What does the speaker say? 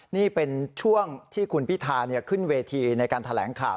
นี่เป็นช่วงที่คุณพิธาขึ้นเวทีในการแถลงข่าว